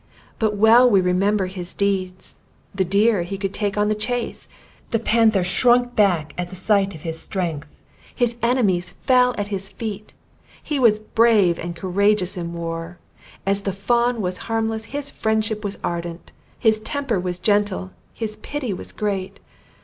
But well we remember his deeds! The deer he could take on the chase! The panther shrunk back at the sight of his strength! His enemies fell at his feet! He was brave and courageous in war! As the fawn was harmless: his friendship was ardent: his temper was gentle: his pity was great!